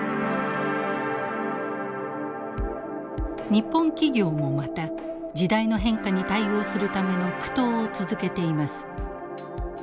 日本企業もまた時代の変化に対応するための苦闘を続けています。